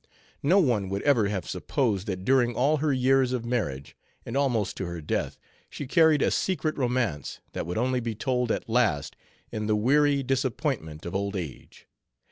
No one would ever have supposed that during all her years of marriage, and almost to her death, she carried a secret romance that would only be told at last in the weary disappointment of old age.